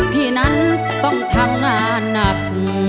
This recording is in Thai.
พี่นั้นต้องทำงานหนัก